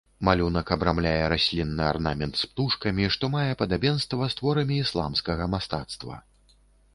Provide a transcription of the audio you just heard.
Малюнак абрамляе раслінны арнамент з птушкамі, што мае падабенства з творамі ісламскага мастацтва.